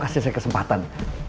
kasih saya kesempatan